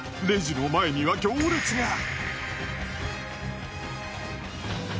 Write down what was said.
レジの前には行列が。